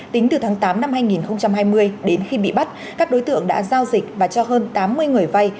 tính từ tháng tám năm hai nghìn hai mươi đến khi bị bắt các đối tượng đã giao dịch và cho hơn tám mươi người vay